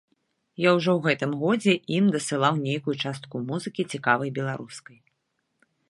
Я ўжо ў гэтым годзе ім дасылаў нейкую частку музыкі цікавай беларускай.